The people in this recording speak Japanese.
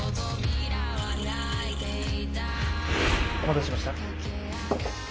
お待たせしました。